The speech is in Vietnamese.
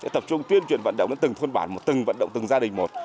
tập trung tuyên truyền vận động đến từng thôn bản một từng vận động từng gia đình một